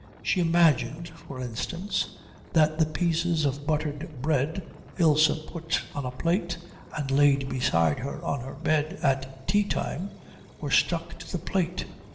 She imagined, for instance, that the pieces of buttered bread Ilse put on a plate and laid beside her on her bed at tea time were stuck to the plate.